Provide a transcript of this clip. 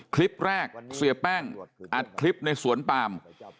คลิปแรกเสียแป้งอัดคลิปในสวนปาม